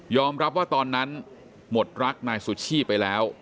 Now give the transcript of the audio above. รับว่าตอนนั้นหมดรักนายสุชีพไปแล้ว